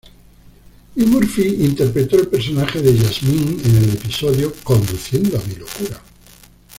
Y Murphy interpretó el personaje de Jasmine en el episodio "Conduciendo a mi Locura".